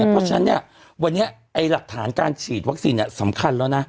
เพราะฉะนั้นวันนี้หลักฐานการฉีดวัคซีนสำคัญแล้วนะ